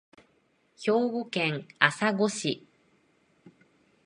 兵庫県朝来市